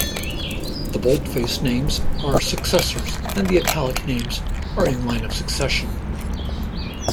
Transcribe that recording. The boldface names are successors, and the italic names are in line of succession.